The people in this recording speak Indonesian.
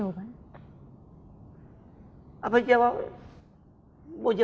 lalu kita kembali ke jawabannya